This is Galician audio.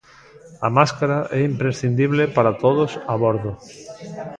A máscara é imprescindible para todos a bordo.